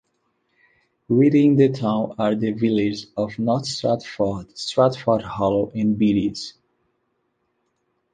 Within the town are the villages of North Stratford, Stratford Hollow, and Beatties.